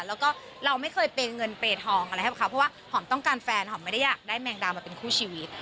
แล้วก็เราไม่เคยเปย์เงินเปย์ทองอะไรให้กับเขาเพราะว่าหอมต้องการแฟนหอมไม่ได้อยากได้แมงดามาเป็นคู่ชีวิต